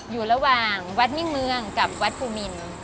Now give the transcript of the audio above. อยู่ระหว่างวัดมิ่งเมืองกับวัดภูมิน